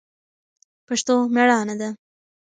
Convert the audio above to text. پښتو مېړانه ده